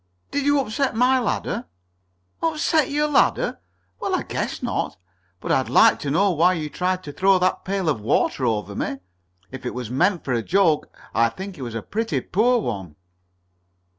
"Did you upset my ladder?" "Upset your ladder? Well, I guess not! But I'd like to know why you tried to throw that pail of water over me. If it was meant for a joke, I think it was a pretty poor one."